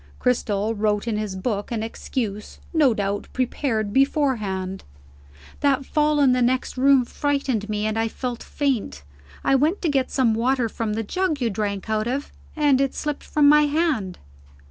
Cristel wrote in his book an excuse, no doubt prepared beforehand: "That fall in the next room frightened me, and I felt faint. I went to get some water from the jug you drank out of, and it slipped from my hand."